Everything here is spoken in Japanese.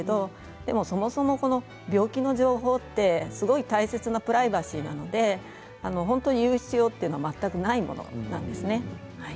でも、そもそも病気の情報は大切なプライバシーなので本当に言う必要は全くないものなんですね。